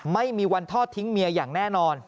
ไม่มีวันทอดทิ้งเมียอย่างแน่นอน